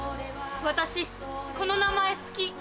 私この名前好き。